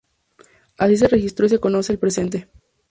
Así se registró y se conoce en el presente.